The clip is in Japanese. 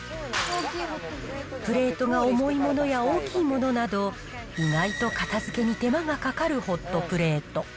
プレートが重いものや大きいものなど、意外と片づけに手間がかかるホットプレート。